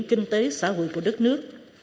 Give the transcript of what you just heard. kinh tế xã hội của đất nước